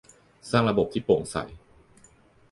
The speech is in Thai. สร้างระบบที่โปร่งใส